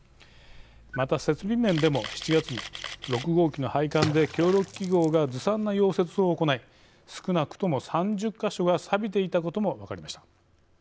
また設備面でも７月に６号機の配管で協力企業がずさんな溶接を行い少なくとも３０か所がさびていたことも分かりました。